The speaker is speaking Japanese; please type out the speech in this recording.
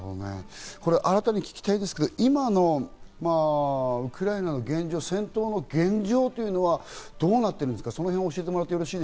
新たに聞きたいんですけれども、今、ウクライナの現状、戦闘の現状というのはどうなっているんですか？